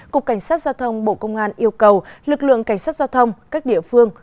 cục cảnh sát giao thông bộ công an yêu cầu lực lượng cảnh sát giao thông các địa phương